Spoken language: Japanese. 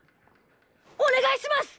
おねがいします！